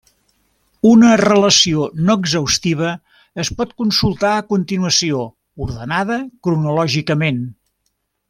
Una relació no exhaustiva es pot consultar a continuació, ordenada cronològicament.